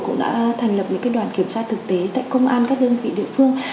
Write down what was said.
cũng đã thành lập những đoàn kiểm tra thực tế tại công an các đơn vị địa phương